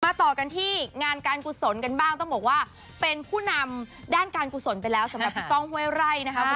ต่อกันที่งานการกุศลกันบ้างต้องบอกว่าเป็นผู้นำด้านการกุศลไปแล้วสำหรับพี่ก้องห้วยไร่นะครับ